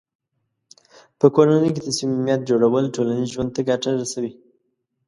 په کورنۍ کې د صمیمیت جوړول ټولنیز ژوند ته ګټه رسوي.